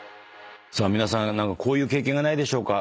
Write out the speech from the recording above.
さあ皆さんこういう経験がないでしょうか。